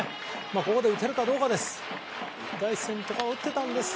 ここで打てるかどうかです。